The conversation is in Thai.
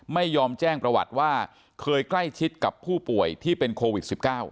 ไม่ยอมแจ้งประวัติว่าเคยใกล้ชิดกับผู้ป่วยที่เป็นโควิด๑๙